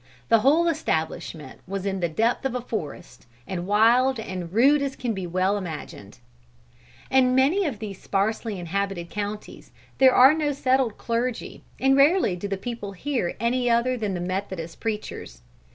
The whole establishment was in the depth of a forest, and wild and rude as can well be imagined. "In many of these sparsely inhabited counties there are no settled clergy, and rarely do the people hear any other than the Methodist preachers.